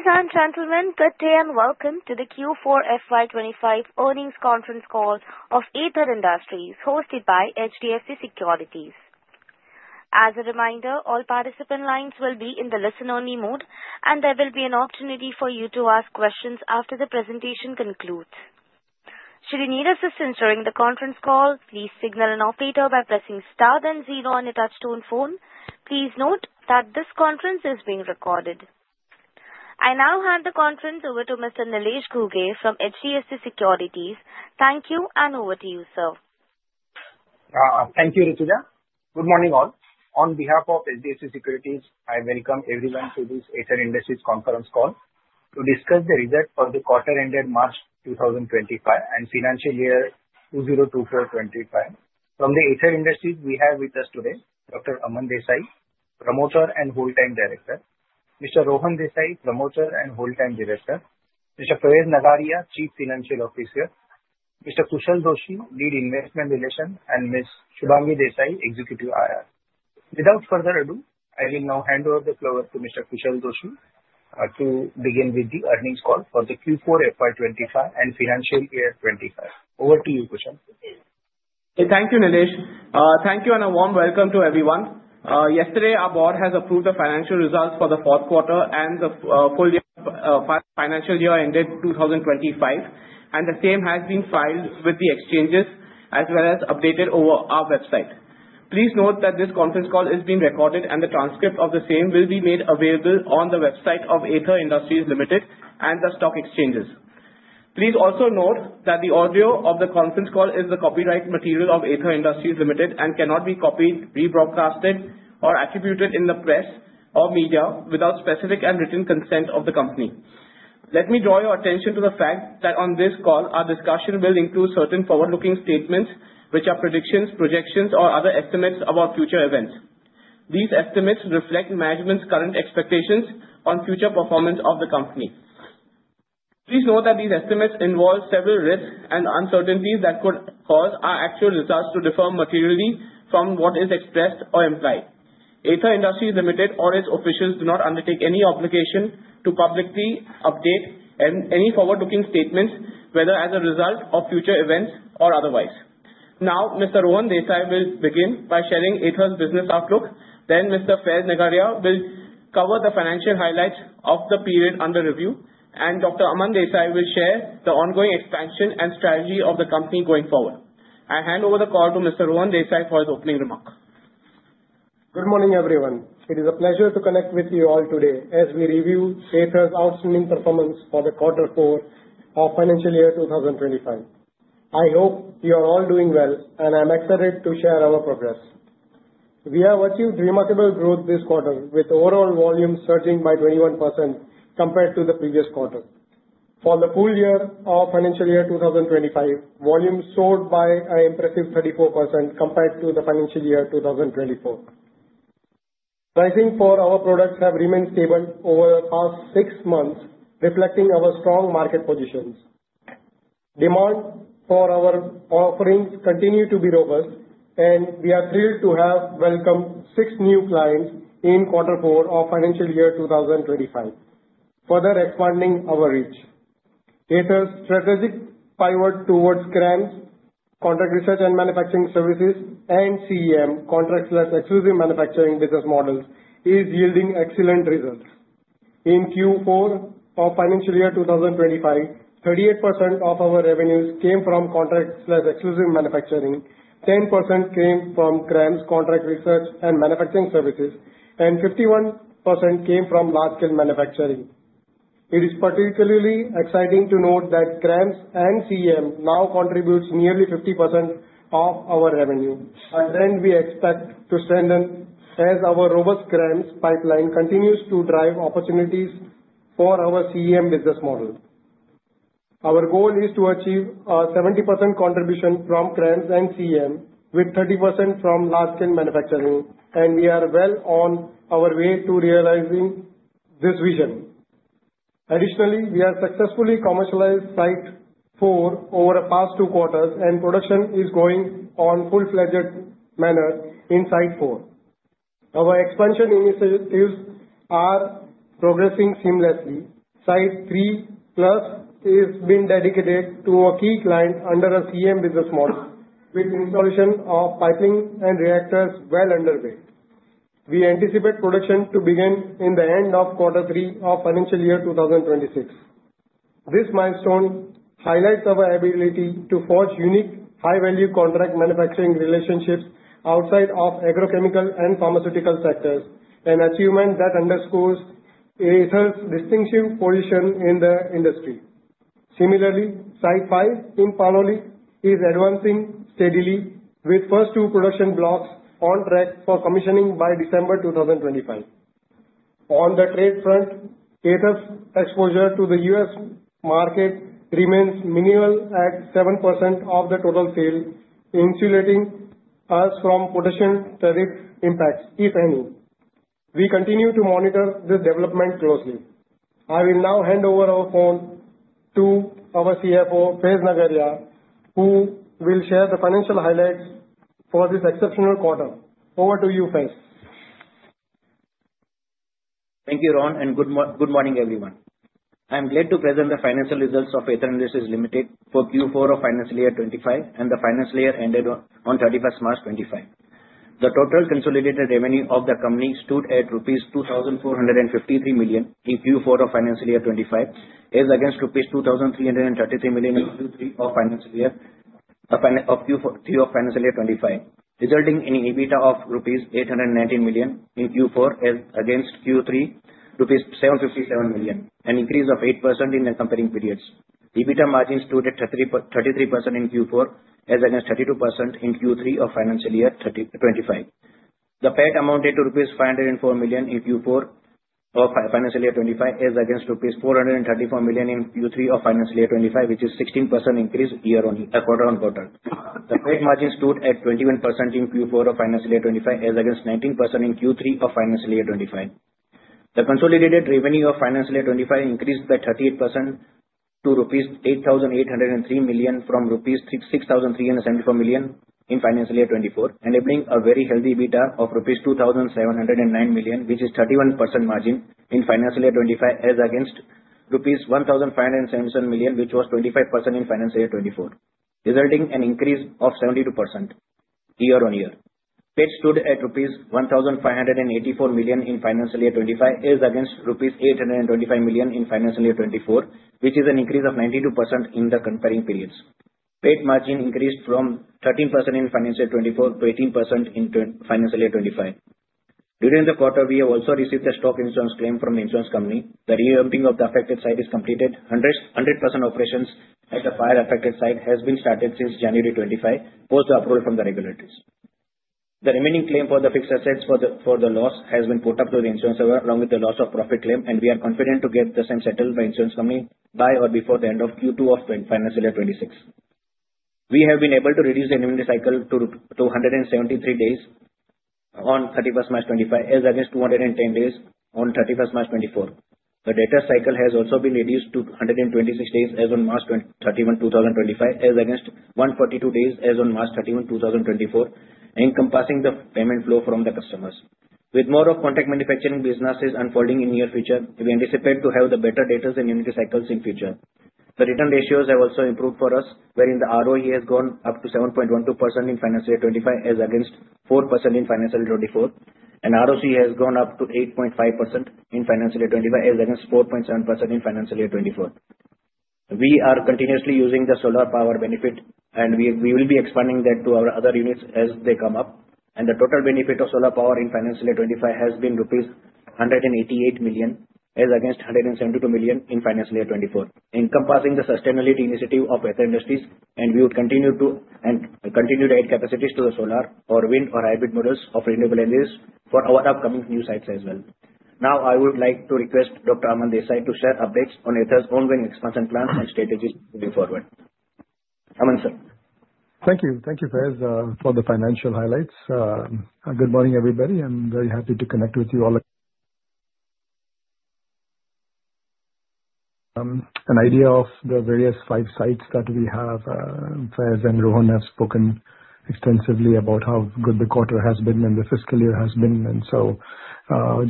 Ladies and gentlemen, good day and welcome to the Q4 FY 2025 earnings conference call of Aether Industries, hosted by HDFC Securities. As a reminder, all participant lines will be in the listen-only mode, and there will be an opportunity for you to ask questions after the presentation concludes. Should you need assistance during the conference call, please signal an operator by pressing star then zero on your touch-tone phone. Please note that this conference is being recorded. I now hand the conference over to Mr. Nilesh Ghuge from HDFC Securities. Thank you, and over to you, sir. Thank you, Rithuja. Good morning, all. On behalf of HDFC Securities, I welcome everyone to this Aether Industries conference call to discuss the result for the quarter-ending March 2025 and financial year 2024, 2025. From the Aether Industries, we have with us today Dr. Aman Desai, Promoter and Whole Time Director, Mr. Rohan Desai, Promoter and Whole Time Director, Mr. Faiz Nagariya, Chief Financial Officer, Mr. Kushal Doshi, Lead Investment Relations, and Ms. Shubhangi Desai, Executive IR. Without further ado, I will now hand over the floor to Mr. Kushal Doshi to begin with the earnings call for the Q4 FY 2025 and financial year 25. Over to you, Kushal. Thank you, Nilesh. Thank you, and a warm welcome to everyone. Yesterday, our board has approved the financial results for the fourth quarter and the full financial year ended 2025, and the same has been filed with the exchanges as well as updated over our website. Please note that this conference call is being recorded, and the transcript of the same will be made available on the website of Aether Industries Limited and the stock exchanges. Please also note that the audio of the conference call is the copyright material of Aether Industries Limited and cannot be copied, rebroadcast, or attributed in the press or media without specific and written consent of the company. Let me draw your attention to the fact that on this call, our discussion will include certain forward-looking statements, which are predictions, projections, or other estimates about future events. These estimates reflect management's current expectations on future performance of the company. Please note that these estimates involve several risks and uncertainties that could cause our actual results to differ materially from what is expressed or implied. Aether Industries Limited or its officials do not undertake any obligation to publicly update any forward-looking statements, whether as a result of future events or otherwise. Now, Mr. Rohan Desai will begin by sharing Aether's business outlook. Then, Mr. Faiz Nagariya will cover the financial highlights of the period under review, and Dr. Aman Desai will share the ongoing expansion and strategy of the company going forward. I hand over the call to Mr. Rohan Desai for his opening remark. Good morning, everyone. It is a pleasure to connect with you all today as we review Aether's outstanding performance for the quarter four of financial year 2025. I hope you are all doing well, and I'm excited to share our progress. We have achieved remarkable growth this quarter, with overall volume surging by 21% compared to the previous quarter. For the full year of financial year 2025, volume soared by an impressive 34% compared to the financial year 2024. Pricing for our products has remained stable over the past six months, reflecting our strong market positions. Demand for our offerings continues to be robust, and we are thrilled to have welcomed six new clients in quarter four of financial year 2025, further expanding our reach. Aether's strategic pivot towards CRAMS, contract research and manufacturing services, and CEM, contract/exclusive manufacturing business models, is yielding excellent results. In Q4 of financial year 2025, 38% of our revenues came from contract/exclusive manufacturing, 10% came from CRAMS, contract research and manufacturing services, and 51% came from large-scale manufacturing. It is particularly exciting to note that CRAMS and CEM now contribute nearly 50% of our revenue, a trend we expect to strengthen as our robust CRAMS pipeline continues to drive opportunities for our CEM business model. Our goal is to achieve a 70% contribution from CRAMS and CEM, with 30% from large-scale manufacturing, and we are well on our way to realizing this vision. Additionally, we have successfully commercialized Site 4 over the past two quarters, and production is going on full-fledged manner in Site 4. Our expansion initiatives are progressing seamlessly. Site 3+ has been dedicated to a key client under a CEM business model, with installation of pipelines and reactors well underway. We anticipate production to begin at the end of quarter three of financial year 2026. This milestone highlights our ability to forge unique high-value contract manufacturing relationships outside of agrochemical and pharmaceutical sectors, an achievement that underscores Aether's distinctive position in the industry. Similarly, Site 5 in Panoli is advancing steadily, with the first two production blocks on track for commissioning by December 2025. On the trade front, Aether's exposure to the U.S. market remains minimal at 7% of the total sales, insulating us from potential tariff impacts, if any. We continue to monitor this development closely. I will now hand over our phone to our CFO, Faiz Nagariya, who will share the financial highlights for this exceptional quarter. Over to you, Faiz. Thank you, Rohan, and good morning, everyone. I am glad to present the financial results of Aether Industries Limited for Q4 of financial year 2025 and the financial year ended on 31st March 2025. The total consolidated revenue of the company stood at rupees 2,453 million in Q4 of financial year 2025, as against rupees 2,333 million in Q3 of financial year 2025, resulting in an EBITDA of rupees 819 million in Q4, as against Q3, 757 million, an increase of 8% in the comparable periods. EBITDA margin stood at 33% in Q4, as against 32% in Q3 of financial year 2025. The PAT amounted to rupees 504 million in Q4 of financial year 2025, as against rupees 434 million in Q3 of financial year 2025, which is a 16% increase year-on-year, quarter-on-quarter. The PAT margin stood at 21% in Q4 of financial year 2025, as against 19% in Q3 of financial year 2025. The consolidated revenue of financial year 2025 increased by 38% to rupees 8,803 million from rupees 6,374 million in financial year 2024, enabling a very healthy EBITDA of rupees 2,709 million, which is a 31% margin in financial year 2025, as against rupees 1,577 million, which was 25% in financial year 2024, resulting in an increase of 72% year-on-year. PAT stood at rupees 1,584 million in financial year 2025, as against rupees 825 million in financial year 2024, which is an increase of 92% in the comparing periods. PAT margin increased from 13% in financial year 2024 to 18% in financial year 2025. During the quarter, we have also received the stock insurance claim from the insurance company. The re-emptying of the affected site is completed. 100% operations at the prior affected site have been started since January 25, post-approval from the regulators. The remaining claim for the fixed assets for the loss has been put up to the insurance, along with the loss of profit claim, and we are confident to get the same settled by the insurance company by or before the end of Q2 of financial year 2026. We have been able to reduce the inventory cycle to 173 days on 31st March 2025, as against 210 days on 31st March 2024. The debtor cycle has also been reduced to 126 days, as on March 31, 2025, as against 142 days, as on March 31, 2024, encompassing the payment flow from the customers. With more of contract manufacturing businesses unfolding in the near future, we anticipate to have better data and inventory cycles in the future. The return ratios have also improved for us, wherein the ROE has gone up to 7.12% in financial year 2025, as against 4% in financial year 2024, and ROC has gone up to 8.5% in financial year 2025, as against 4.7% in financial year 2024. We are continuously using the solar power benefit, and we will be expanding that to our other units as they come up. The total benefit of solar power in financial year 2025 has been rupees 188 million, as against 172 million in financial year 2024, encompassing the sustainability initiative of Aether Industries, and we will continue to add capacities to the solar or wind or hybrid models of renewable energies for our upcoming new sites as well. Now, I would like to request Dr. Aman Desai to share updates on Aether's ongoing expansion plans and strategies moving forward. Amand sir. Thank you. Thank you, Faiz, for the financial highlights. Good morning, everybody. I'm very happy to connect with you all. An idea of the various five sites that we have. Faiz and Rohan have spoken extensively about how good the quarter has been and the fiscal year has been.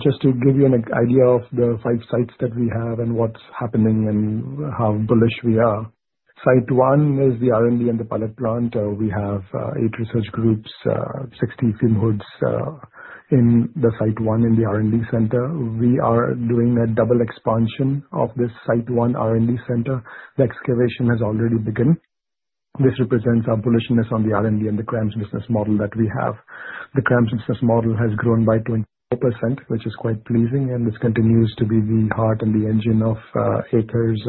Just to give you an idea of the five sites that we have and what's happening and how bullish we are. Site 1 is the R&D and the pilot plant. We have eight research groups, 60 fume hoods in the Site 1 in the R&D center. We are doing a double expansion of this Site 1 R&D center. The excavation has already begun. This represents our bullishness on the R&D and the CRAMS business model that we have. The CRAMS business model has grown by 24%, which is quite pleasing, and this continues to be the heart and the engine of Aether's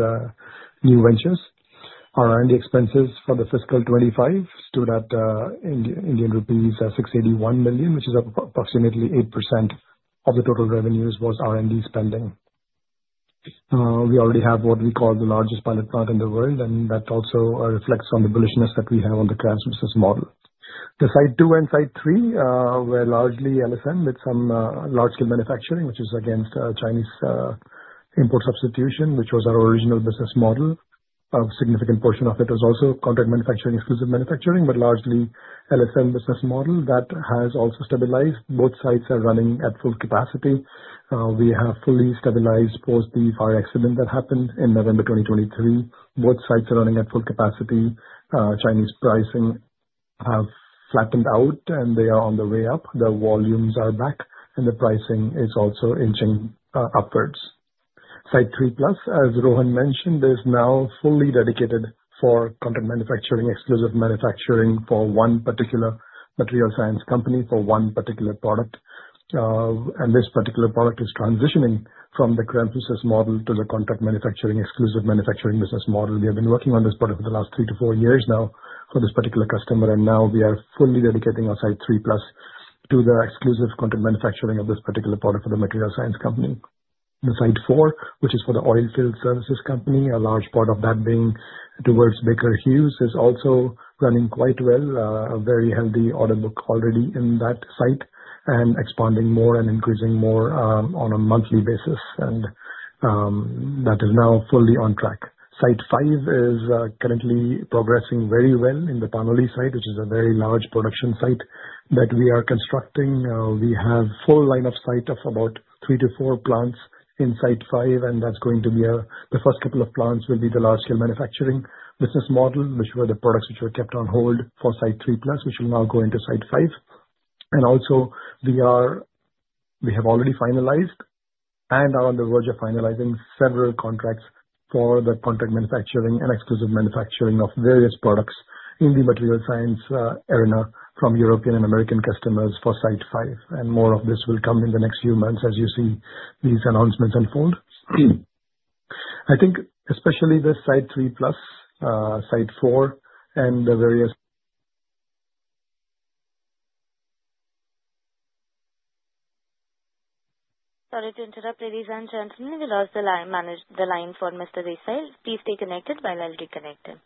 new ventures. Our R&D expenses for the fiscal 2025 stood at Indian rupees 681 million, which is approximately 8% of the total revenues was R&D spending. We already have what we call the largest pilot plant in the world, and that also reflects on the bullishness that we have on the CRAMS business model. The site two and site three were largely LSM with some large-scale manufacturing, which is against Chinese import substitution, which was our original business model. A significant portion of it was also contract manufacturing, exclusive manufacturing, but largely LSM business model that has also stabilized. Both sites are running at full capacity. We have fully stabilized post the fire accident that happened in November 2023. Both sites are running at full capacity. Chinese pricing has flattened out, and they are on the way up. The volumes are back, and the pricing is also inching upwards. Site 3+, as Rohan mentioned, is now fully dedicated for contract manufacturing, exclusive manufacturing for one particular Material Science company for one particular product. And this particular product is transitioning from the CRAMS business model to the contract manufacturing, exclusive manufacturing business model. We have been working on this product for the last three to four years now for this particular customer, and now we are fully dedicating our Site 3+ to the exclusive contract manufacturing of this particular product for the Material Science company. The Site 4, which is for the oilfield services company, a large part of that being towards Baker Hughes, is also running quite well, a very healthy order book already in that site and expanding more and increasing more on a monthly basis, and that is now fully on track. Site five is currently progressing very well in the Panoli site, which is a very large production site that we are constructing. We have a full line of site of about three to four plants in Site 5, and that's going to be the first couple of plants will be the large-scale manufacturing business model, which were the products which were kept on hold for Site 3+, which will now go into Site 5. And also, we have already finalized and are on the verge of finalizing several contracts for the contract manufacturing and exclusive manufacturing of various products in the Material Science arena from European and American customers for Site 5. And more of this will come in the next few months as you see these announcements unfold. I think especially the Site 3+, Site 4, and the various. Sorry to interrupt, ladies and gentlemen. We lost the line for Mr. Desai. Please stay connected while I'll reconnect him.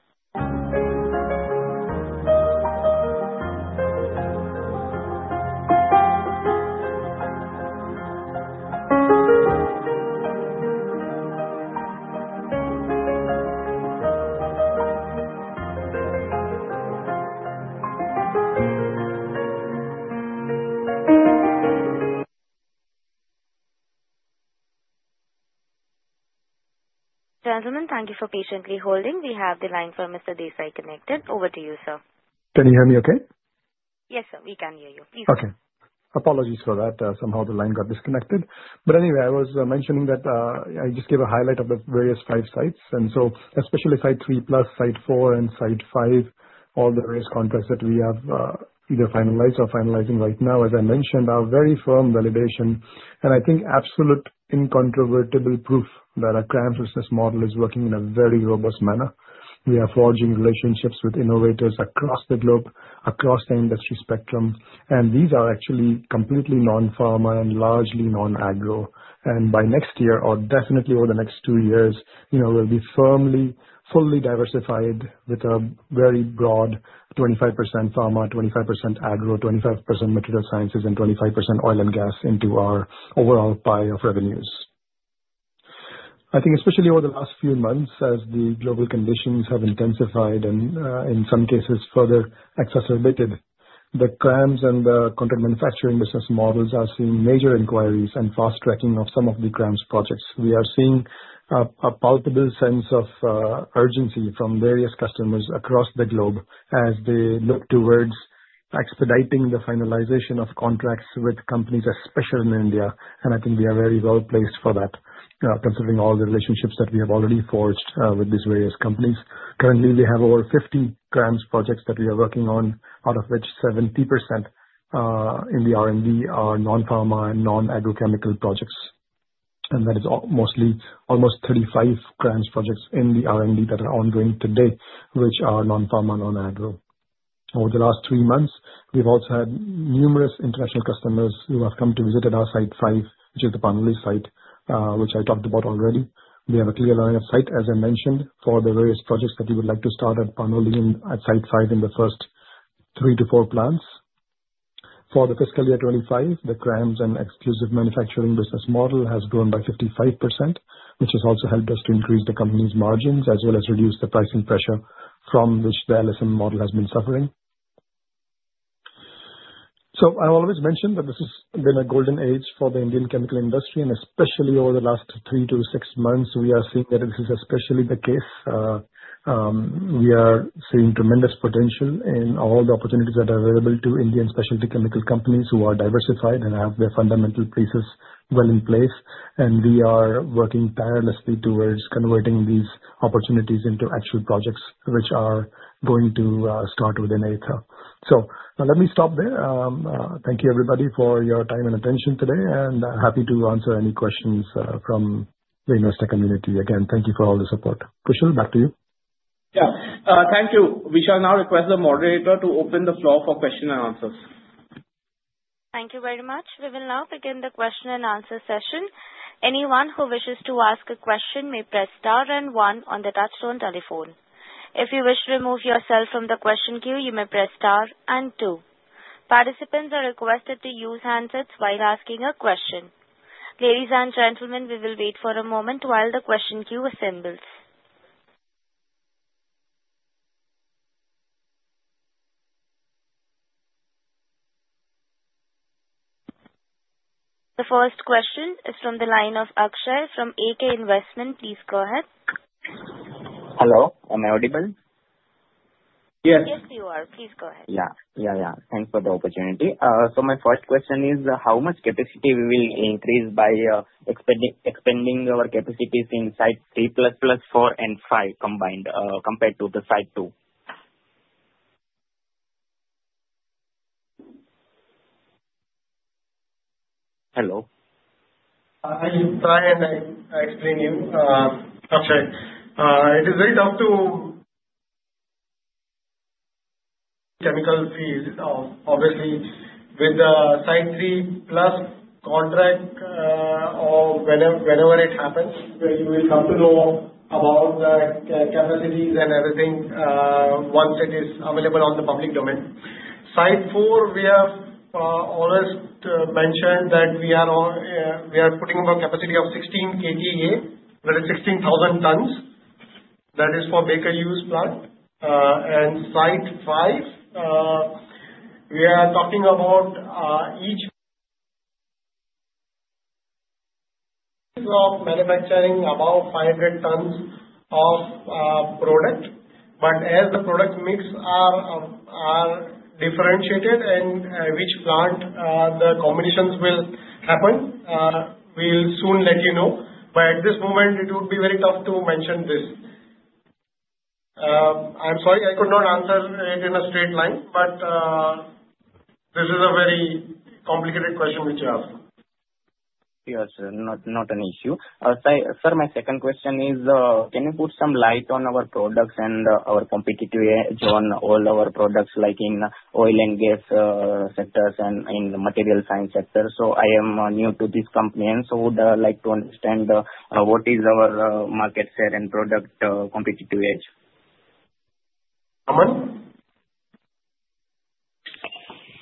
Gentlemen, thank you for patiently holding. We have the line for Mr. Desai connected. Over to you, sir. Can you hear me okay? Yes, sir. We can hear you. Please wait. Okay. Apologies for that. Somehow the line got disconnected, but anyway, I was mentioning that I just gave a highlight of the various five sites. And so, especially Site 3+, Site 4, and Site 5, all the various contracts that we have either finalized or finalizing right now, as I mentioned, are very firm validation, and I think absolute incontrovertible proof that our CRAMS business model is working in a very robust manner. We are forging relationships with innovators across the globe, across the industry spectrum, and these are actually completely non-pharma and largely non-agro. And by next year, or definitely over the next two years, we'll be firmly, fully diversified with a very broad 25% pharma, 25% agro, 25% material sciences, and 25% oil and gas into our overall pie of revenues. I think especially over the last few months, as the global conditions have intensified and in some cases further exacerbated, the CRAMS and the contract manufacturing business models are seeing major inquiries and fast tracking of some of the CRAMS projects. We are seeing a palpable sense of urgency from various customers across the globe as they look towards expediting the finalization of contracts with companies, especially in India, and I think we are very well placed for that, considering all the relationships that we have already forged with these various companies. Currently, we have over 50 CRAMS projects that we are working on, out of which 70% in the R&D are non-pharma and non-agrochemical projects, and that is almost 35 CRAMS projects in the R&D that are ongoing today, which are non-pharma, non-agro. Over the last three months, we've also had numerous international customers who have come to visit at our site five, which is the Panoli site, which I talked about already. We have a clear line-up site, as I mentioned, for the various projects that we would like to start at Panoli and at site five in the first three to four plants. For the fiscal year 2025, the CRAMS and exclusive manufacturing business model has grown by 55%, which has also helped us to increase the company's margins as well as reduce the pricing pressure from which the LSM model has been suffering. So I always mention that this has been a golden age for the Indian chemical industry, and especially over the last three to six months, we are seeing that this is especially the case. We are seeing tremendous potential in all the opportunities that are available to Indian specialty chemical companies who are diversified and have their fundamental pieces well in place. And we are working tirelessly towards converting these opportunities into actual projects, which are going to start within a year. So let me stop there. Thank you, everybody, for your time and attention today, and happy to answer any questions from the investor community. Again, thank you for all the support. Kushal, back to you. Yeah. Thank you. We shall now request the moderator to open the floor for questions and answers. Thank you very much. We will now begin the question-and-answer session. Anyone who wishes to ask a question may press star and one on the touch-tone telephone. If you wish to remove yourself from the question queue, you may press star and two. Participants are requested to use handsets while asking a question. Ladies and gentlemen, we will wait for a moment while the question queue assembles. The first question is from the line of Akshay from AK Investment. Please go ahead. Hello. Am I audible? Yes. Yes, you are. Please go ahead. Yeah. Yeah, yeah. Thanks for the opportunity. So my first question is, how much capacity will we increase by expanding our capacities in Site 3+, Site 4 and 5 combined compared to the Site 2? Hello. Hi. Hi. And I explain to you, Akshay, it is very tough to. Chemical field, obviously, with the Site 3+ contract or whenever it happens, you will come to know about the capacities and everything once it is available on the public domain. Site 4, we have always mentioned that we are putting in a capacity of 16 KTA, that is 16,000 tons. That is for Baker Hughes plant. And Site 5, we are talking about each. Of manufacturing about 500 tons of product. But as the product mix are differentiated and which plant the combinations will happen, we'll soon let you know. But at this moment, it would be very tough to mention this. I'm sorry, I could not answer it in a straight line, but this is a very complicated question which you asked. Yes, sir. Not an issue. Sir, my second question is, can you put some light on our products and our competitive edge on all our products like in oil and gas sectors and in the material science sectors? So I am new to this company, and so would like to understand what is our market share and product competitive edge. Amand?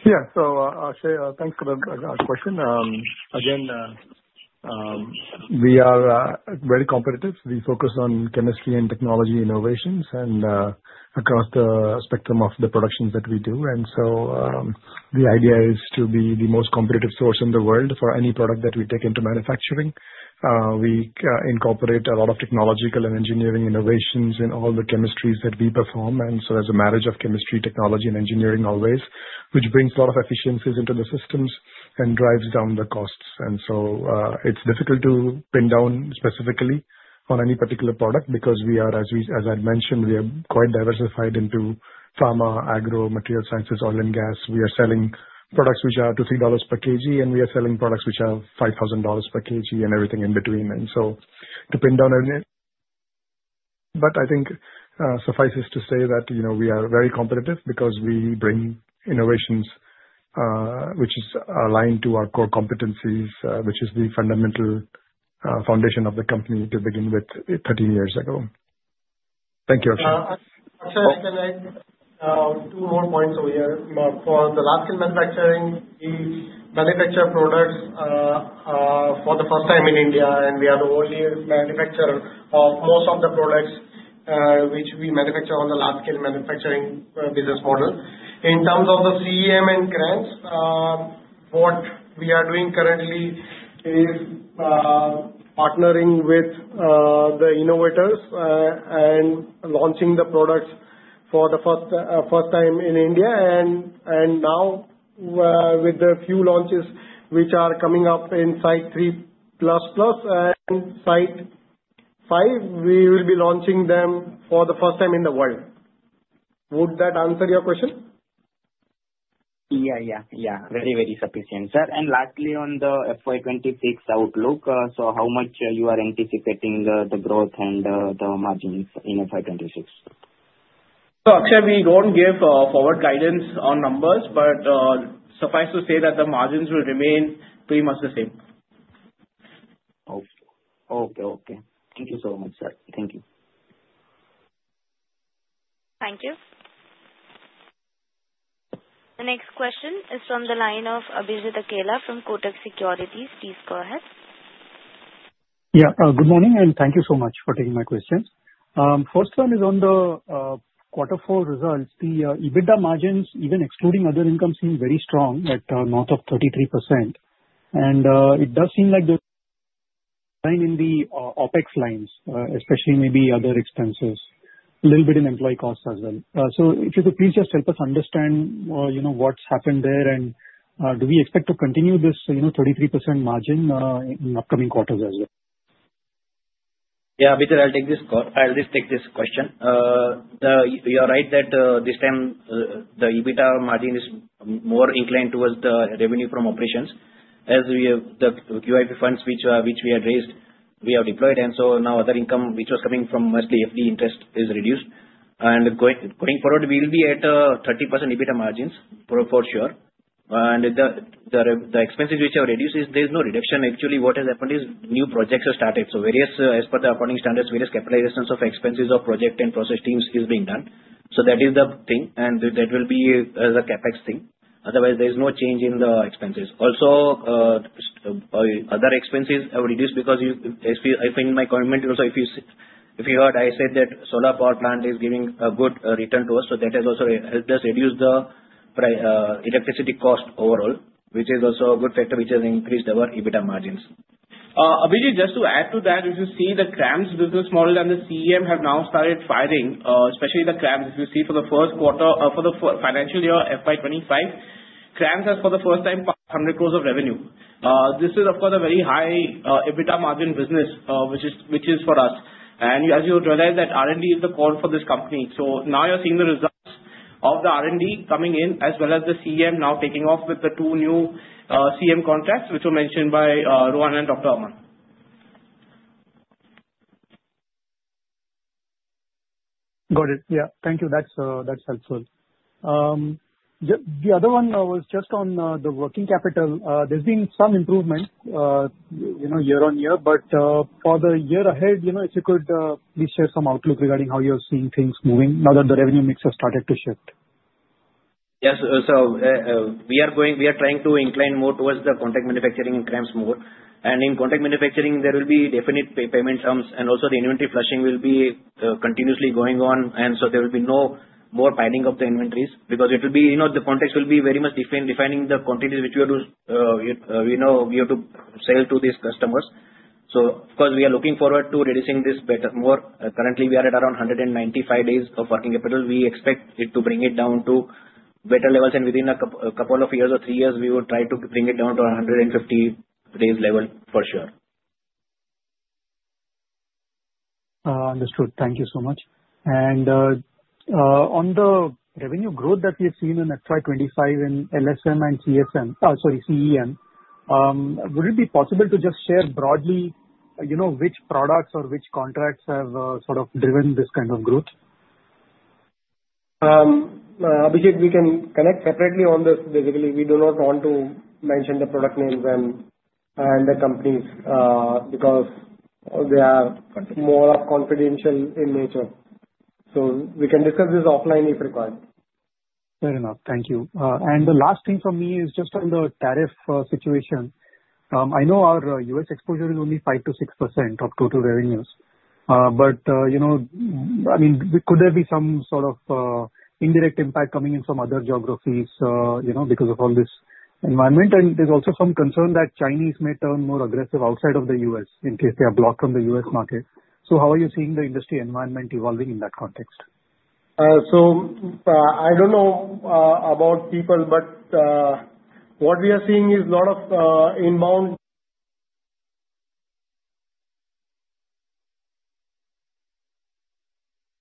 Yeah. So Akshay, thanks for the question. Again, we are very competitive. We focus on chemistry and technology innovations across the spectrum of the productions that we do. And so the idea is to be the most competitive source in the world for any product that we take into manufacturing. We incorporate a lot of technological and engineering innovations in all the chemistries that we perform. And so there's a marriage of chemistry, technology, and engineering always, which brings a lot of efficiencies into the systems and drives down the costs. And so it's difficult to pin down specifically on any particular product because we are, as I mentioned, we are quite diversified into pharma, agro, material sciences, oil and gas. We are selling products which are $23 per kg, and we are selling products which are $5,000 per kg and everything in between. And so to pin down any. But I think suffices to say that we are very competitive because we bring innovations which are aligned to our core competencies, which is the fundamental foundation of the company to begin with 13 years ago. Thank you, Akshay. Akshay, I can add two more points over here. For the large-scale manufacturing, we manufacture products for the first time in India, and we are the only manufacturer of most of the products which we manufacture on the large-scale manufacturing business model. In terms of the CEM and CRAMS, what we are doing currently is partnering with the innovators and launching the products for the first time in India. And now, with the few launches which are coming up in Site 3++ and Site 5, we will be launching them for the first time in the world. Would that answer your question? Yeah, yeah. Yeah. Very, very sufficient, sir. And lastly, on the FY 2026 outlook, so how much you are anticipating the growth and the margins in FY 2026? Akshay, we don't give forward guidance on numbers, but suffice to say that the margins will remain pretty much the same. Okay. Okay. Thank you so much, sir. Thank you. Thank you. The next question is from the line of Abhijit Akella from Kotak Securities. Please go ahead. Yeah. Good morning, and thank you so much for taking my questions. First one is on the quarter four results. The EBITDA margins, even excluding other incomes, seem very strong at north of 33%. And it does seem like the decline in the OpEx lines, especially maybe other expenses, a little bit in employee costs as well. So if you could please just help us understand what's happened there, and do we expect to continue this 33% margin in upcoming quarters as well? Yeah. Abhijit, I'll just take this question. You're right that this time the EBITDA margin is more inclined towards the revenue from operations. As the QIP funds which we had raised, we have deployed, and so now other income which was coming from mostly FD interest is reduced. And going forward, we'll be at 30% EBITDA margins for sure. And the expenses which are reduced, there is no reduction. Actually, what has happened is new projects have started. So as per the upcoming standards, various capitalizations of expenses of project and process teams is being done. So that is the thing, and that will be the CapEx thing. Otherwise, there is no change in the expenses. Also, other expenses are reduced because I think my comment also, if you heard, I said that solar power plant is giving a good return to us. So that has also helped us reduce the electricity cost overall, which is also a good factor which has increased our EBITDA margins. Abhijit, just to add to that, if you see the CRAMS business model and the CEM have now started firing, especially the CRAMS, if you see for the first quarter for the financial year FY 2025, CRAMS has for the first time passed 100 crores of revenue. This is, of course, a very high EBITDA margin business, which is for us. And as you realize that R&D is the core for this company. So now you're seeing the results of the R&D coming in, as well as the CEM now taking off with the two new CEM contracts, which were mentioned by Rohan and Dr. Amand. Got it. Yeah. Thank you. That's helpful. The other one was just on the working capital. There's been some improvement year-on-year, but for the year ahead, if you could please share some outlook regarding how you're seeing things moving now that the revenue mix has started to shift. Yes. So we are trying to incline more towards the contract manufacturing and CRAMS more. And in contract manufacturing, there will be definite payment terms, and also the inventory flushing will be continuously going on. And so there will be no more piling of the inventories because it will be the context will be very much defining the quantities which we have to sell to these customers. So of course, we are looking forward to reducing this better. Currently, we are at around 195 days of working capital. We expect it to bring it down to better levels. And within a couple of years or three years, we will try to bring it down to 150 days level for sure. Understood. Thank you so much. And on the revenue growth that we have seen in FY 2025 in LSM and CSM, sorry, CEM, would it be possible to just share broadly which products or which contracts have sort of driven this kind of growth? Abhijit, we can connect separately on this. Basically, we do not want to mention the product names and the companies because they are more confidential in nature. So we can discuss this offline if required. Fair enough. Thank you. And the last thing for me is just on the tariff situation. I know our U.S. exposure is only 5%-6% of total revenues. But I mean, could there be some sort of indirect impact coming in from other geographies because of all this environment? And there's also some concern that Chinese may turn more aggressive outside of the U.S. in case they are blocked from the U.S. market. So how are you seeing the industry environment evolving in that context? I don't know about people, but what we are seeing is a lot of inbound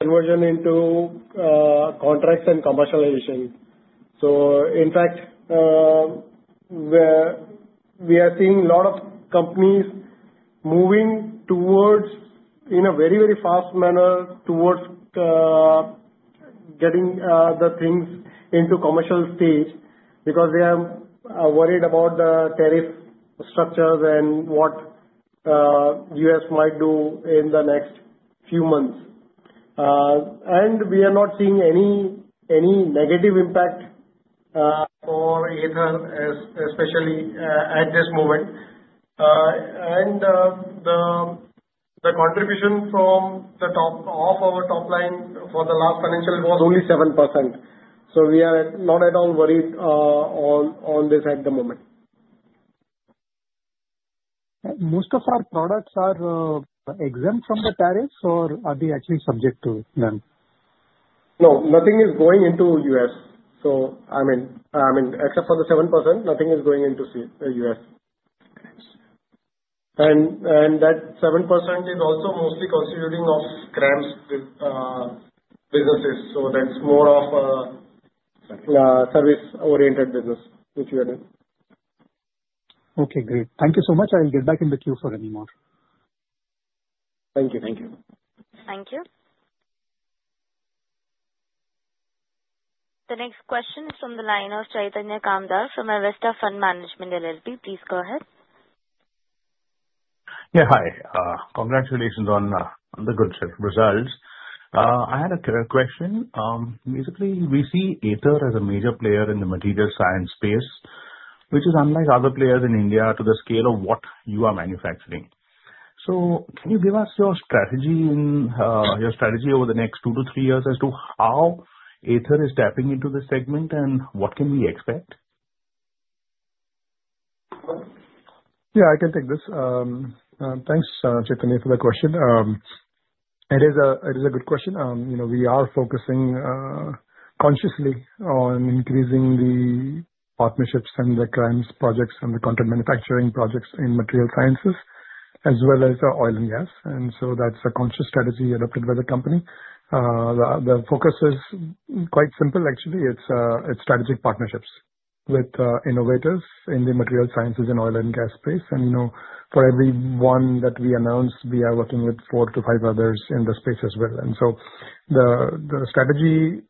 conversion into contracts and commercialization. So in fact, we are seeing a lot of companies moving towards in a very, very fast manner towards getting the things into commercial stage because they are worried about the tariff structures and what the U.S. might do in the next few months. And we are not seeing any negative impact for Aether, especially at this moment. And the contribution from the top of our top line for the last financial was only 7%. So we are not at all worried on this at the moment. Most of our products are exempt from the tariffs, or are they actually subject to them? No. Nothing is going into the U.S. So, I mean, except for the 7%, nothing is going into the U.S. And that 7% is also mostly constituting of CRAMS businesses. So that's more of a service-oriented business, which we are doing. Okay. Great. Thank you so much. I'll get back in the queue for any more. Thank you. Thank you. Thank you. The next question is from the line of Chaitanya Kamdar from Avesta Fund Management, LLP. Please go ahead. Yeah. Hi. Congratulations on the good results. I had a question. Basically, we see Aether as a major player in the Material Science space, which is unlike other players in India to the scale of what you are manufacturing. So can you give us your strategy over the next two to three years as to how Aether is tapping into the segment and what can we expect? Yeah. I can take this. Thanks, Chaitanya, for the question. It is a good question. We are focusing consciously on increasing the partnerships and the CRAMS projects and the contract manufacturing projects in material sciences, as well as oil and gas, and so that's a conscious strategy adopted by the company. The focus is quite simple, actually. It's strategic partnerships with innovators in the material sciences and oil and gas space, and for every one that we announce, we are working with four to five others in the space as well, and so the strategy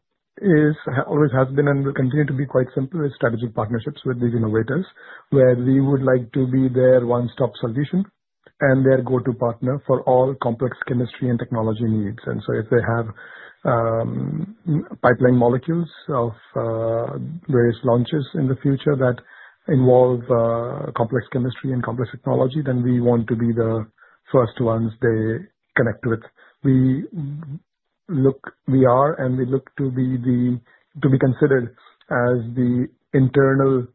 always has been and will continue to be quite simple. It's strategic partnerships with these innovators where we would like to be their one-stop solution and their go-to partner for all complex chemistry and technology needs. And so if they have pipeline molecules of various launches in the future that involve complex chemistry and complex technology, then we want to be the first ones they connect with. We are and we look to be considered as the internal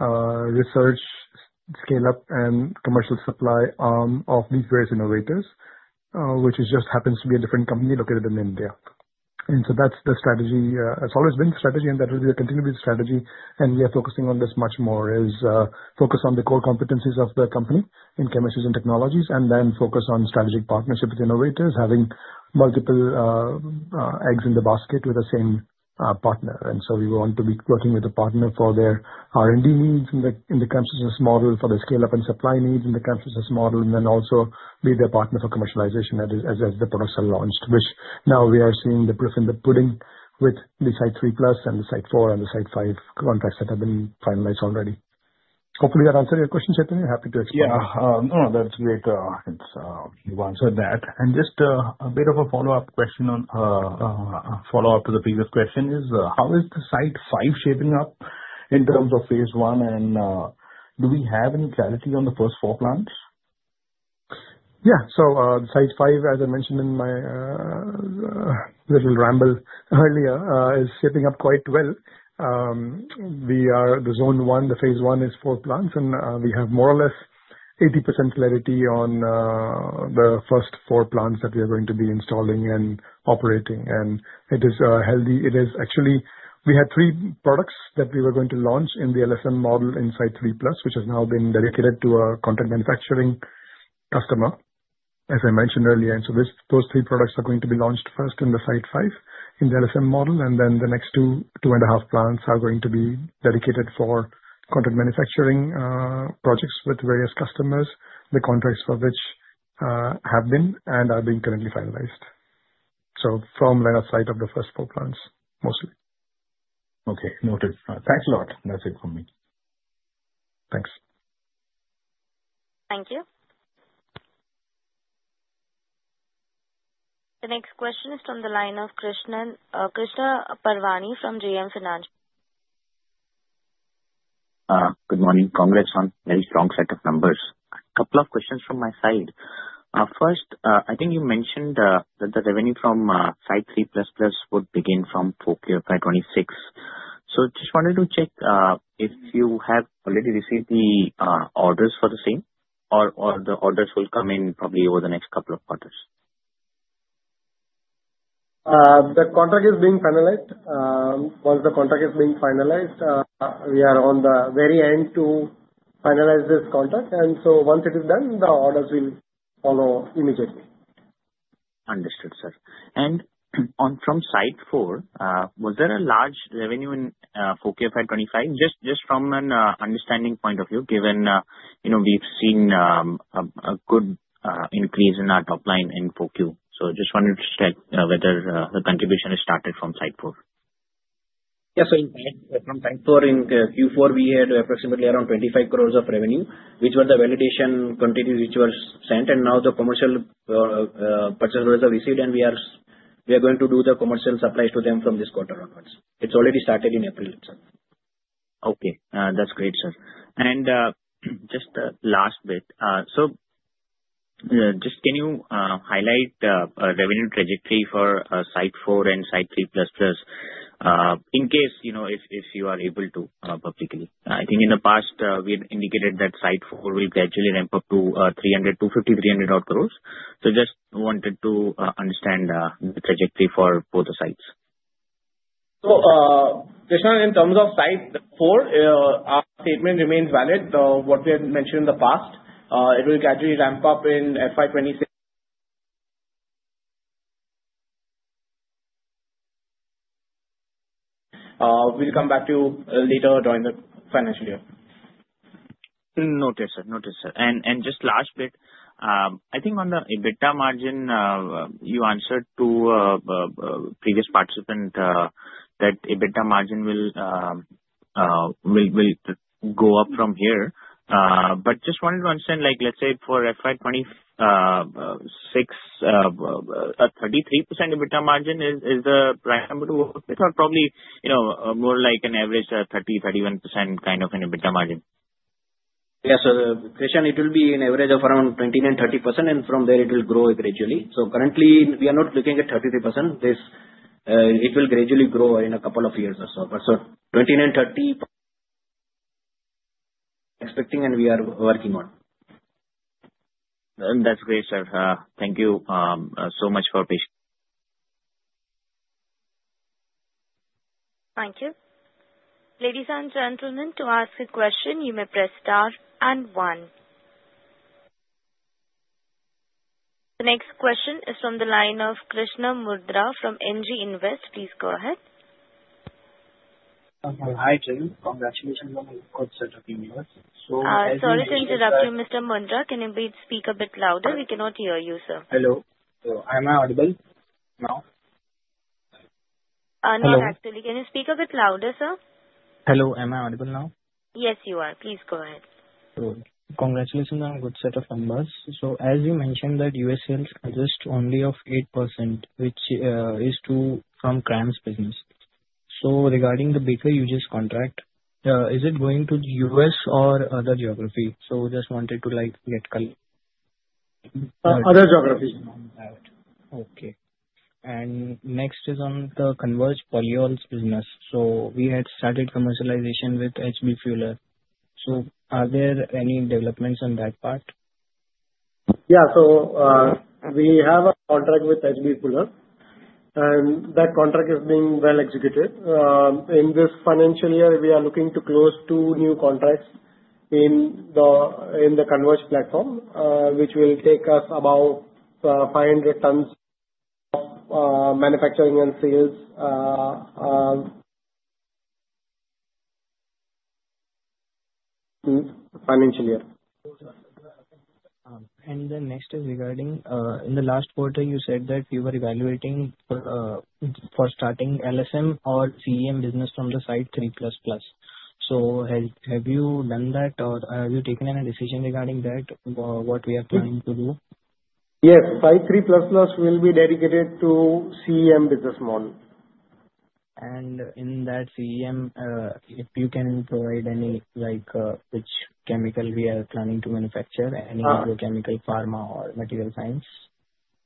research scale-up and commercial supply arm of these various innovators, which just happens to be a different company located in India. And so that's the strategy. It's always been the strategy, and that will be a continued strategy. And we are focusing on this much more, i.e., focus on the core competencies of the company in chemistries and technologies, and then focus on strategic partnership with innovators, having multiple eggs in the basket with the same partner. And so we want to be working with a partner for their R&D needs in the CRAMS business model, for the scale-up and supply needs in the CRAMS business model, and then also be their partner for commercialization as the products are launched, which now we are seeing the proof in the pudding with the Site 3+ and the Site 5 contracts that have been finalized already. Hopefully, that answered your question, Chaitanya. Happy to explain. Yeah. No, that's great. You've answered that. And just a bit of a follow-up question on follow-up to the previous question is, how is the Site 5 shaping up in terms of phase one? And do we have any clarity on the first four plants? Yeah. So Site 5, as I mentioned in my little ramble earlier, is shaping up quite well. The Zone 1, the phase one is four plants, and we have more or less 80% clarity on the first four plants that we are going to be installing and operating. And it is healthy. Actually, we had three products that we were going to launch in the LSM model in Site 3+, which has now been dedicated to a contract manufacturing customer, as I mentioned earlier. And so those three products are going to be launched first in the Site 5 in the LSM model, and then the next two and a half plants are going to be dedicated for contract manufacturing projects with various customers, the contracts for which have been and are being currently finalized. So firm line of sight of the first four plants mostly. Okay. Noted. Thanks a lot. That's it from me. Thanks. Thank you. The next question is from the line of Krishan Parwani from JM Financial. Good morning. Congrats on a very strong set of numbers. A couple of questions from my side. First, I think you mentioned that the revenue from Site 3++ would begin from FY 2026. So just wanted to check if you have already received the orders for the same or the orders will come in probably over the next couple of quarters. The contract is being finalized. Once the contract is being finalized, we are on the very end to finalize this contract, and so once it is done, the orders will follow immediately. Understood, sir. And from Site 4, was there large revenue in FY 2024 by 25%? Just from an understanding point of view, given we've seen a good increase in our top line in FY 2024. So just wanted to check whether the contribution has started from Site 4. Yeah. So from Site 4 in Q4, we had approximately around 25 crores of revenue, which were the validation contributions which were sent. Now the commercial purchase orders are received, and we are going to do the commercial supplies to them from this quarter onwards. It's already started in April, sir. Okay. That's great, sir. And just the last bit. So just can you highlight a revenue trajectory for Site 4 and Site 3++ in case if you are able to publicly? I think in the past, we had indicated that Site 4 will gradually ramp up to 250 crores-300 crores. So just wanted to understand the trajectory for both the sites. Krishna, in terms of Site 4, our statement remains valid. What we had mentioned in the past, it will gradually ramp up in FY 2026. We'll come back to you later during the financial year. Noted, sir. Noted, sir. And just last bit, I think on the EBITDA margin, you answered to a previous participant that EBITDA margin will go up from here. But just wanted to understand, let's say for FY 2026, a 33% EBITDA margin is the right number to work with or probably more like an average 30%-31% kind of an EBITDA margin? Yeah. So Krishna, it will be an average of around 29%-30%, and from there, it will grow gradually. So currently, we are not looking at 33%. It will gradually grow in a couple of years or so. So 29%-30% expecting, and we are working on. That's great, sir. Thank you so much for your patience. Thank you. Ladies and gentlemen, to ask a question, you may press star and one. The next question is from the line of Krishna Mudra from NJ Invest. Please go ahead. Hi, Jay. Congratulations on the good setup in U.S. So as you can hear. I'm sorry to interrupt you, Mr. Mudra. Can you please speak a bit louder? We cannot hear you, sir. Hello. So am I audible now? Not actually. Can you speak a bit louder, sir? Hello. Am I audible now? Yes, you are. Please go ahead. So congratulations on a good set of numbers. So as you mentioned that U.S. sales are just only 8%, which is from CRAMS business. So regarding the Baker Hughes contract, is it going to U.S. or other geography? So just wanted to get the. Other geography. Okay. And next is on the Converge polyols business. So we had started commercialization with H.B. Fuller. So are there any developments on that part? Yeah. We have a contract with H.B. Fuller, and that contract is being well executed. In this financial year, we are looking to close two new contracts in the Converge polyols, which will take us about 500 tons of manufacturing and sales financial year. The next is regarding, in the last quarter, you said that you were evaluating for starting LSM or CEM business from the Site 3++. So have you done that, or have you taken any decision regarding that, what we are planning to do? Yes. Site 3++ will be dedicated to CEM business model. In that CEM, if you can provide any which chemical we are planning to manufacture, any agrochemical, pharma, or material science?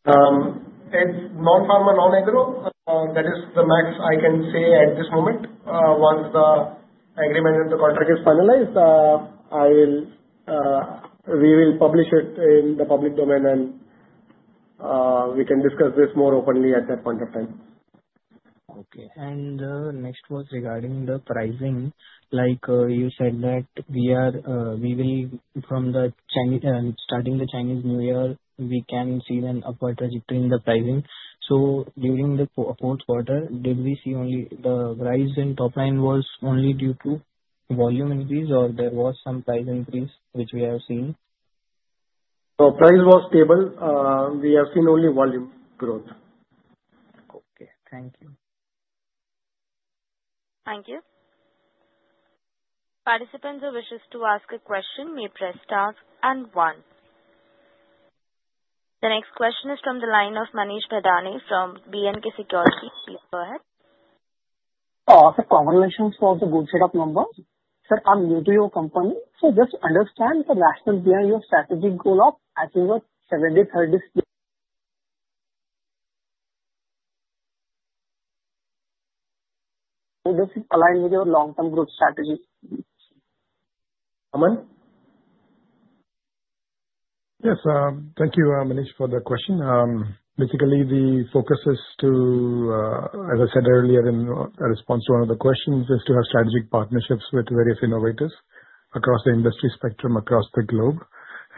It's non-pharma, non-agro. That is the max I can say at this moment. Once the agreement and the contract is finalized, we will publish it in the public domain, and we can discuss this more openly at that point of time. Okay, and the next was regarding the pricing. You said that we will, from starting the Chinese New Year, we can see an upward trajectory in the pricing. So during the fourth quarter, did we see only the rise in top line was only due to volume increase, or there was some price increase which we have seen? So price was stable. We have seen only volume growth. Okay. Thank you. Thank you. Participants who wish to ask a question may press star and one. The next question is from the line of Manasi Bhadane from B&K Securities. Please go ahead. Sir, congratulations for the good set of numbers. Sir, I'm new to your company. So just understand the rationale behind your strategic goal of achieving a 70/30 split. So this is aligned with your long-term growth strategy. Aman? Yes. Thank you, Manasi, for the question. Basically, the focus is to, as I said earlier in response to one of the questions, is to have strategic partnerships with various innovators across the industry spectrum across the globe.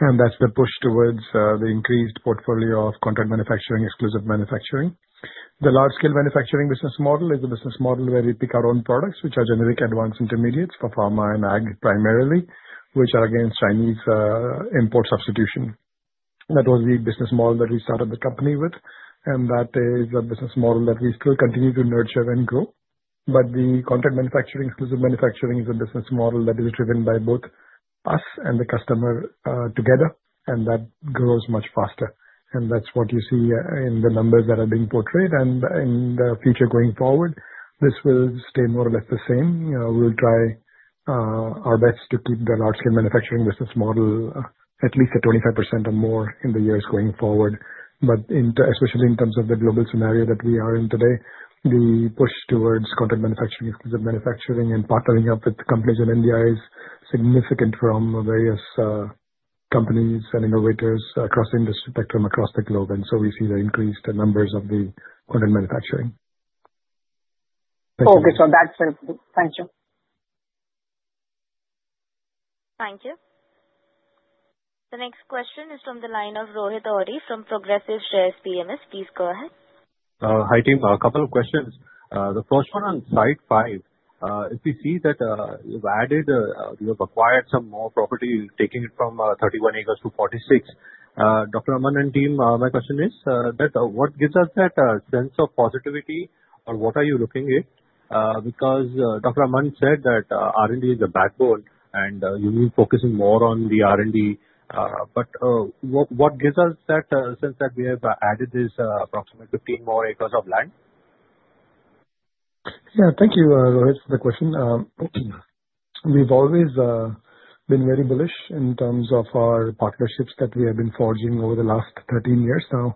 And that's the push towards the increased portfolio of contract manufacturing, exclusive manufacturing. The large-scale manufacturing business model is a business model where we pick our own products, which are generic advanced intermediates for pharma and ag primarily, which are against Chinese import substitution. That was the business model that we started the company with, and that is a business model that we still continue to nurture and grow. But the contract manufacturing, exclusive manufacturing is a business model that is driven by both us and the customer together, and that grows much faster. And that's what you see in the numbers that are being portrayed. In the future going forward, this will stay more or less the same. We'll try our best to keep the large-scale manufacturing business model at least at 25% or more in the years going forward. Especially in terms of the global scenario that we are in today, the push towards contract manufacturing, exclusive manufacturing, and partnering up with companies and NDIs is significant from various companies and innovators across the industry spectrum across the globe. So we see the increased numbers of the contract manufacturing. Okay. So that's helpful. Thank you. Thank you. The next question is from the line of Rohit Ohri from Progressive Shares PMS. Please go ahead. Hi team. A couple of questions. The first one on Site 5, if we see that you've added, you have acquired some more property, taking it from 31 acres to 46 acres. Dr. Amand and team, my question is that what gives us that sense of positivity or what are you looking at? Because Dr. Amand said that R&D is a backbone and you're focusing more on the R&D. But what gives us that sense that we have added this approximately 15 more acres of land? Yeah. Thank you, Rohit, for the question. We've always been very bullish in terms of our partnerships that we have been forging over the last 13 years now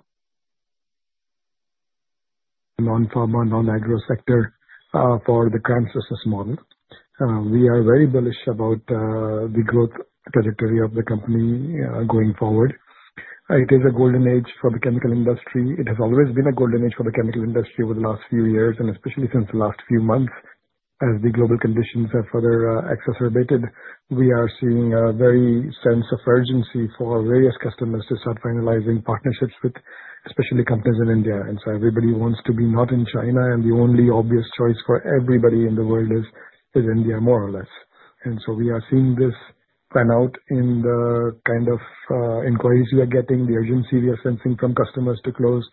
in the non-pharma, non-agro sector for the CRAMS business model. We are very bullish about the growth trajectory of the company going forward. It is a golden age for the chemical industry. It has always been a golden age for the chemical industry over the last few years, and especially since the last few months as the global conditions have further exacerbated. We are seeing a sense of urgency for various customers to start finalizing partnerships with especially companies in India. And so everybody wants to be not in China, and the only obvious choice for everybody in the world is India, more or less. We are seeing this pan out in the kind of inquiries we are getting, the urgency we are sensing from customers to close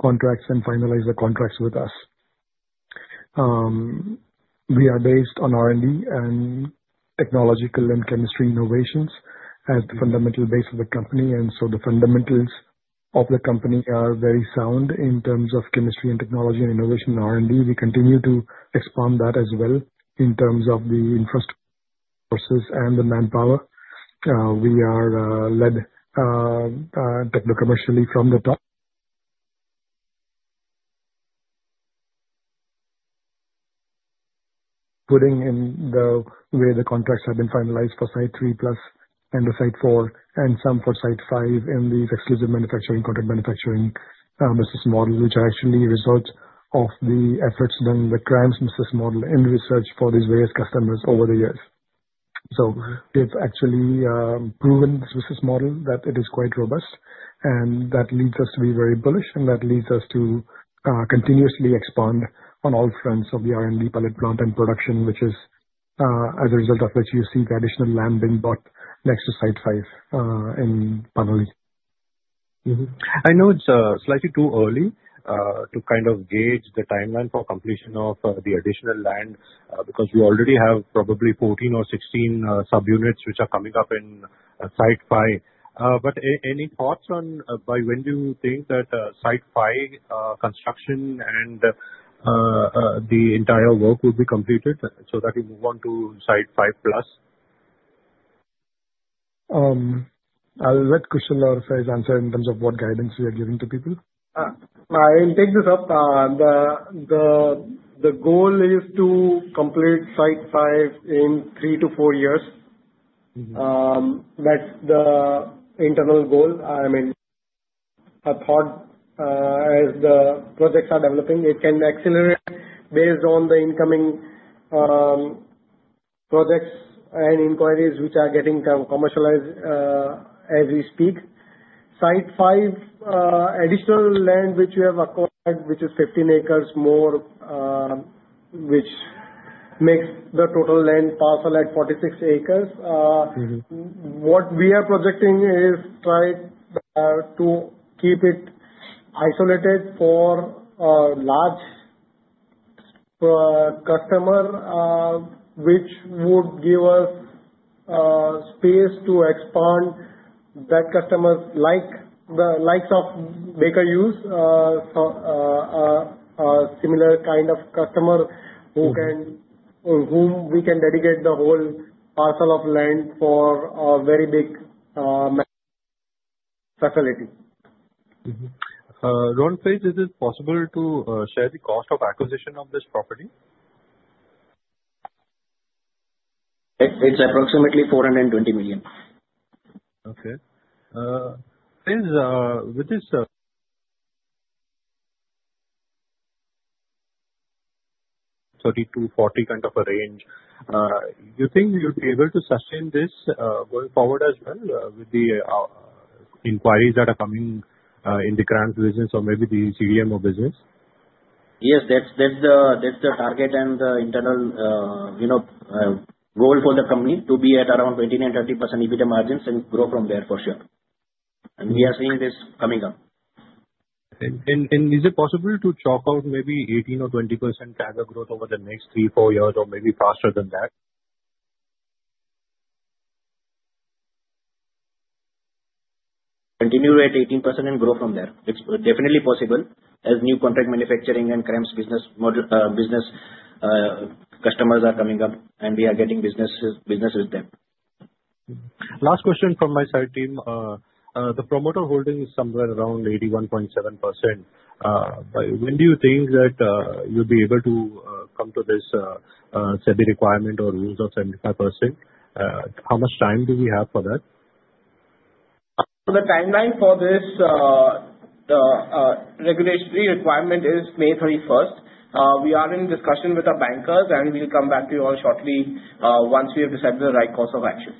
contracts and finalize the contracts with us. We are based on R&D and technological and chemistry innovations as the fundamental base of the company. The fundamentals of the company are very sound in terms of chemistry and technology and innovation and R&D. We continue to expand that as well in terms of the infrastructures and the manpower. We are led techno-commercially from the top, putting in the way the contracts have been finalized for Site 3+ and Site 4 and some for Site 5 in these exclusive manufacturing, contract manufacturing business models, which are actually results of the efforts done in the CRAMS business model in research for these various customers over the years. So, we have actually proven this business model that it is quite robust, and that leads us to be very bullish, and that leads us to continuously expand on all fronts of the R&D, pilot plant, and production, which is as a result of which you see the additional land being bought next to Site 5 in Panoli. I know it's slightly too early to kind of gauge the timeline for completion of the additional land because we already have probably 14 or 16 subunits which are coming up in Site 5. But any thoughts on by when do you think that Site 5 construction and the entire work will be completed so that we move on to Site 5+? I'll let Kushal verify his answer in terms of what guidance we are giving to people. I'll take this up. The goal is to complete Site 5 in three to four years. That's the internal goal. I mean, I thought as the projects are developing, it can accelerate based on the incoming projects and inquiries which are getting commercialized as we speak. Site 5, additional land which we have acquired, which is 15 acres more, which makes the total land parcel at 46 acres. What we are projecting is try to keep it isolated for large customers, which would give us space to expand that customer's likes of Baker Hughes, similar kind of customer whom we can dedicate the whole parcel of land for a very big facility. Do you have to say is it possible to share the cost of acquisition of this property? It's approximately 420 million. Okay. With this 30-40 kind of a range, do you think you'd be able to sustain this going forward as well with the inquiries that are coming in the CRAMS business or maybe the CEM business? Yes. That's the target and the internal goal for the company to be at around 29%-30% EBITDA margins and grow from there for sure, and we are seeing this coming up. Is it possible to chalk out maybe 18% or 20% agro growth over the next three, four years, or maybe faster than that? Continue at 18% and grow from there. It's definitely possible as new contract manufacturing and CRAMS business customers are coming up, and we are getting business with them. Last question from my side team. The promoter holding is somewhere around 81.7%. When do you think that you'll be able to come to this SEBI requirement or rules of 75%? How much time do we have for that? The timeline for this regulatory requirement is May 31st. We are in discussion with our bankers, and we'll come back to you all shortly once we have decided the right course of action.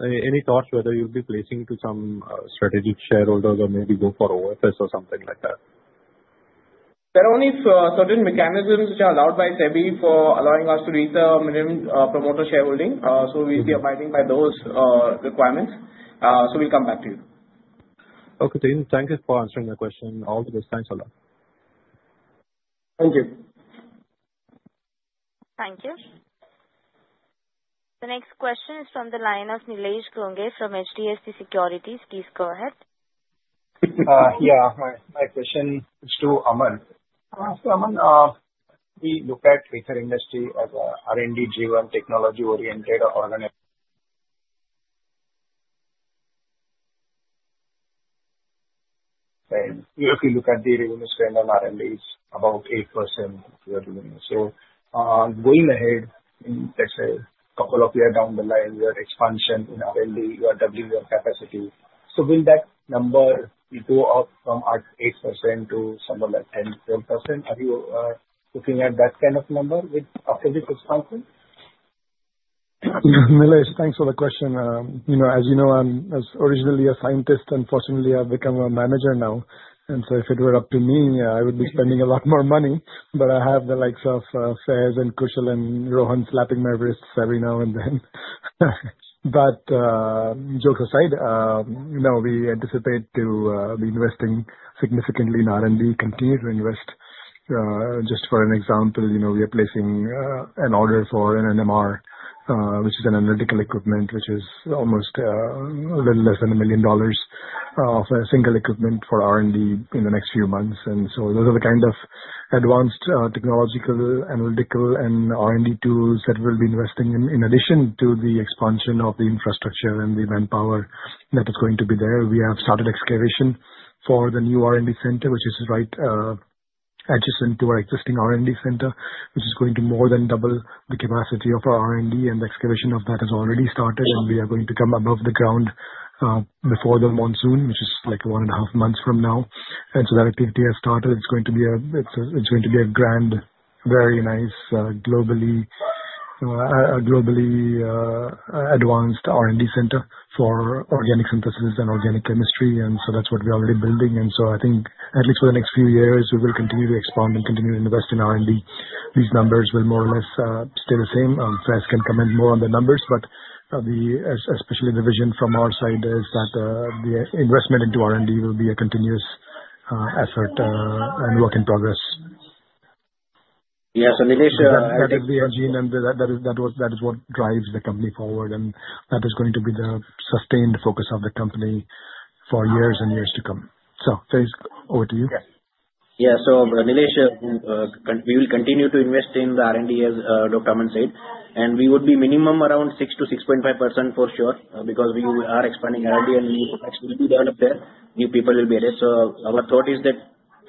Any thoughts whether you'll be placing to some strategic shareholders or maybe go for OFS or something like that? There are only certain mechanisms which are allowed by SEBI for allowing us to reach the minimum promoter shareholding. So we'll be abiding by those requirements. So we'll come back to you. Okay. Team, thank you for answering the question. All the best. Thanks a lot. Thank you. Thank you. The next question is from the line of Nilesh Ghuge from HDFC Securities. Please go ahead. Yeah. My question is to Amand. So Amand, we look at the industry as an R&D-driven technology-oriented organization. If you look at the revenue spend on R&D, it's about 8% revenue. So going ahead, let's say a couple of years down the line, you have expansion in R&D, you have new capacity. So will that number go up from 8% to somewhere like 10%-12%? Are you looking at that kind of number with this expansion? Nilesh, thanks for the question. As you know, I'm originally a scientist, and fortunately, I've become a manager now. And so if it were up to me, I would be spending a lot more money. But I have the likes of Faiz and Kushal and Rohan slapping my wrists every now and then. But jokes aside, we anticipate to be investing significantly in R&D, continue to invest. Just for an example, we are placing an order for an NMR, which is an analytical equipment, which is almost a little less than $1 million of a single equipment for R&D in the next few months. And so those are the kind of advanced technological, analytical, and R&D tools that we'll be investing in. In addition to the expansion of the infrastructure and the manpower that is going to be there, we have started excavation for the new R&D center, which is right adjacent to our existing R&D center, which is going to more than double the capacity of our R&D. And the excavation of that has already started, and we are going to come above the ground before the monsoon, which is like one and a half months from now. And so that activity has started. It's going to be a grand, very nice, globally advanced R&D center for organic synthesis and organic chemistry. And so that's what we're already building. And so I think, at least for the next few years, we will continue to expand and continue to invest in R&D. These numbers will more or less stay the same. Faiz can comment more on the numbers, but especially the vision from our side is that the investment into R&D will be a continuous effort and work in progress. Yes. And Nilesh. That is the engine, and that is what drives the company forward. And that is going to be the sustained focus of the company for years and years to come. So Faiz, over to you. Yeah. So, Nilesh, we will continue to invest in the R&D, as Dr. Amand said, and we would be minimum around 6%-6.5% for sure because we are expanding R&D, and new products will be developed there. New people will be added, so our thought is that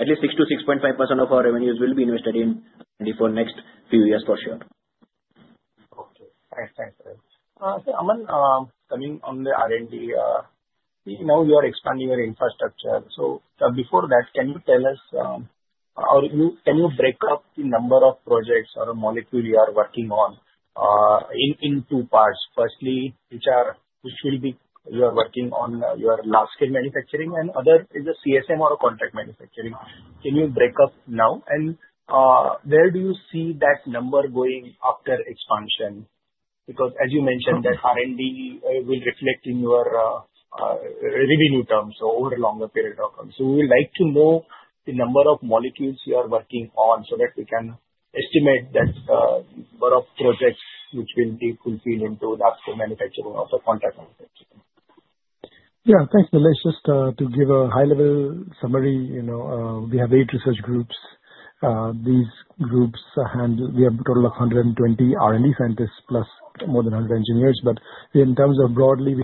at least 6%-6.5% of our revenues will be invested in R&D for the next few years for sure. Okay. Thanks. Thanks. So Aman, coming on the R&D, now you are expanding your infrastructure. So before that, can you tell us, or can you break up the number of projects or molecules you are working on in two parts? Firstly, which will be you are working on your large-scale manufacturing, and other is a CEM or a contract manufacturing. Can you break up now? And where do you see that number going after expansion? Because as you mentioned, that R&D will reflect in your revenue terms over a longer period of time. So we would like to know the number of molecules you are working on so that we can estimate that number of projects which will be fulfilled into large-scale manufacturing or contract manufacturing. Yeah. Thanks, Nilesh. Just to give a high-level summary, we have eight research groups. These groups handle we have a total of 120 R&D scientists plus more than 100 engineers. But in terms of broadly,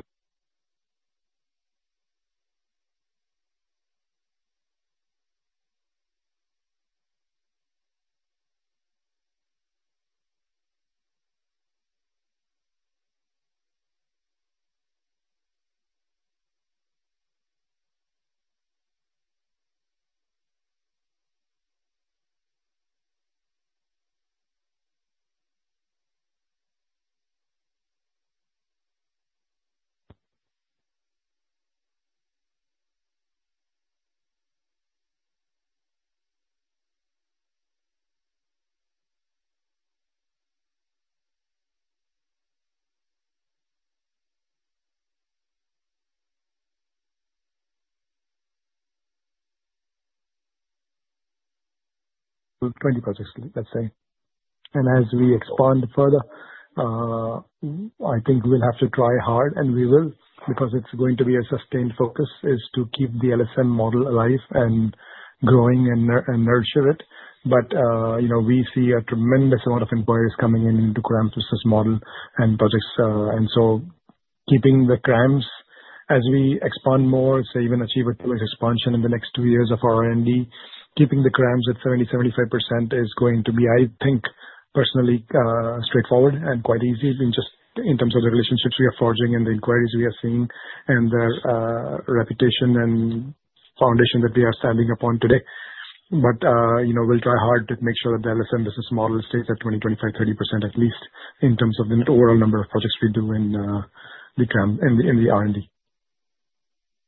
20 projects, let's say. And as we expand further, I think we'll have to try hard, and we will, because it's going to be a sustained focus, is to keep the LSM model alive and growing and nurture it. But we see a tremendous amount of inquiries coming into CRAMS business model and projects. And so keeping the CRAMS, as we expand more, say, even achieve a two-year expansion in the next two years of R&D, keeping the CRAMS at 70%-75% is going to be, I think, personally, straightforward and quite easy just in terms of the relationships we are forging and the inquiries we are seeing and the reputation and foundation that we are standing upon today. But we'll try hard to make sure that the LSM business model stays at 20%, 25%, 30% at least in terms of the overall number of projects we do in the R&D.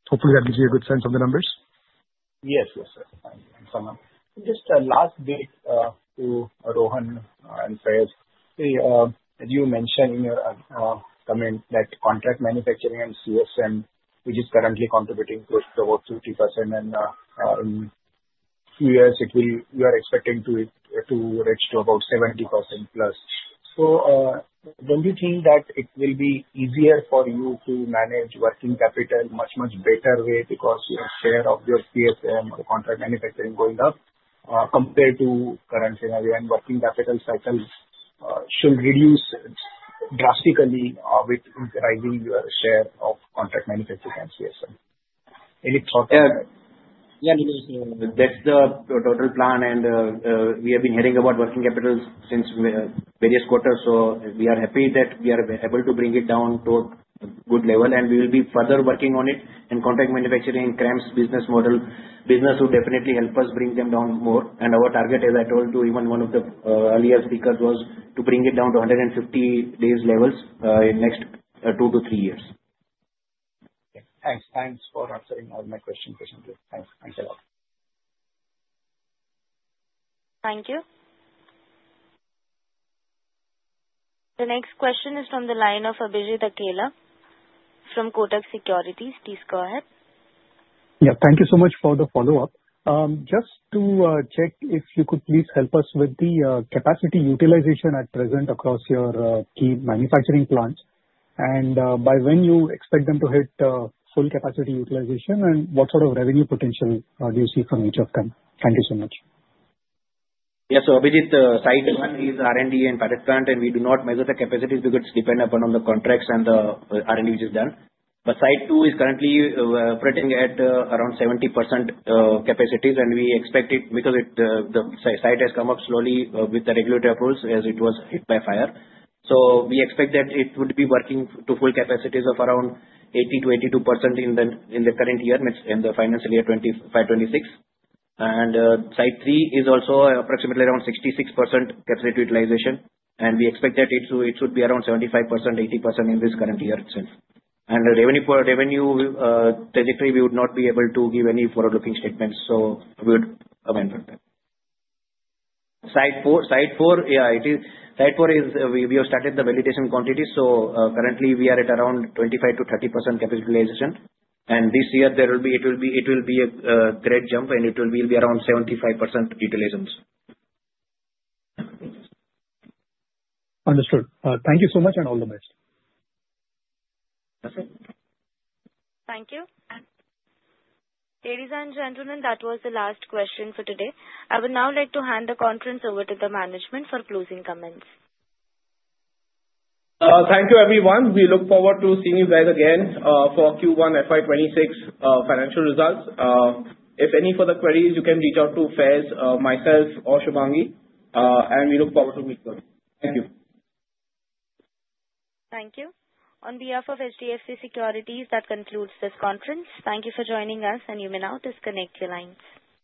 Hopefully, that gives you a good sense of the numbers. Yes. Yes, sir. Thanks, Aman. Just a last bit to Rohan and Faiz. As you mentioned in your comment, that contract manufacturing and CRAMS, which is currently contributing close to about 50%, and in a few years, we are expecting to reach to about 70%+. So don't you think that it will be easier for you to manage working capital in a much, much better way because your share of your CRAMS or contract manufacturing is going up compared to current scenario, and working capital cycles should reduce drastically with rising your share of contract manufacturing and CRAMS? Any thought on that? Yeah. Yeah, Nilesh. That's the total plan. And we have been hearing about working capital since various quarters. So we are happy that we are able to bring it down to a good level, and we will be further working on it. And contract manufacturing and CRAMS business model business will definitely help us bring them down more. And our target, as I told you, even one of the earlier speakers was to bring it down to 150-days levels in the next two to three years. Thanks. Thanks for answering all my questions, Kushal. Thanks. Thanks a lot. Thank you. The next question is from the line of Abhijit Akela from Kotak Securities. Please go ahead. Yeah. Thank you so much for the follow-up. Just to check if you could please help us with the capacity utilization at present across your key manufacturing plants. And by when do you expect them to hit full capacity utilization, and what sort of revenue potential do you see from each of them? Thank you so much. Yeah. So Abhijit, Site 1 is R&D in Panoli, and we do not measure the capacity because it's dependent upon the contracts and the R&D which is done. But Site two is currently operating at around 70% capacity, and we expect it because the site has come up slowly with the regulatory approvals as it was hit by fire. So we expect that it would be working to full capacity of around 80%-82% in the current year, in the financial year 2025, 2026. And Site three is also approximately around 66% capacity utilization, and we expect that it should be around 75%-80% in this current year itself. And the revenue trajectory, we would not be able to give any forward-looking statements. So we would comment on that. Site four, yeah, we have started the validation quantities. Currently, we are at around 25%-30% capacity utilization. This year, it will be a great jump, and it will be around 75% utilization. Understood. Thank you so much and all the best. Yes, sir. Thank you. Ladies and gentlemen, that was the last question for today. I would now like to hand the conference over to the management for closing comments. Thank you, everyone. We look forward to seeing you guys again for Q1 FY 2026 financial results. If any further queries, you can reach out to Faiz, myself, or Shubhangi, and we look forward to meeting you. Thank you. Thank you. On behalf of HDFC Securities, that concludes this conference. Thank you for joining us, and you may now disconnect your lines.